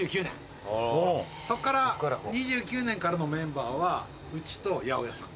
そっから２９年からのメンバーはうちと八百屋さん。